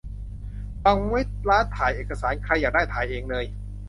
วางไว้ร้านถ่ายเอกสาร ใครอยากได้ ถ่ายเองเลย